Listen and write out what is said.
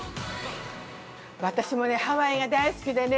◆私もね、ハワイが大好きでね